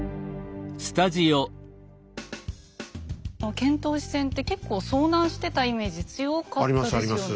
遣唐使船って結構遭難してたイメージ強かったですよね。